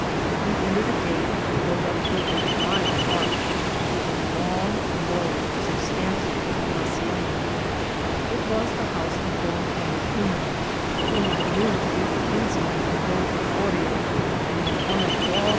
We entered a gate, and rode up through a fine pari: to a long, low, substantial looking hacienda. It was the house of Don Clementino, whom I knew to be the kins man of Don Giegorio, and the one of all oth^s I would * On Ifr.